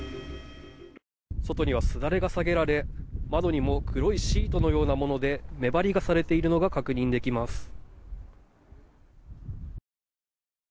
外にはすだれが下げられ窓にも黒いシートのようなもので目張りがされているのが確認できます。